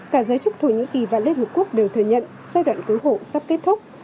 cả giới chức thổ nhĩ kỳ và liên hợp quốc đều thừa nhận giai đoạn cứu hộ sắp kết thúc